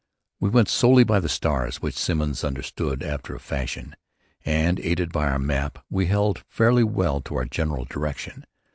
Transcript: We went solely by the stars, which Simmons understood after a fashion, and, aided by our map, we held fairly well to our general direction.